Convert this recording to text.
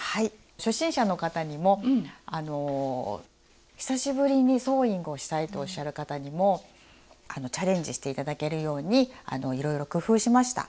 初心者の方にも久しぶりにソーイングをしたいとおっしゃる方にもチャレンジして頂けるようにいろいろ工夫しました。